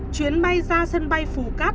chuyến bay ra sân bay phù cát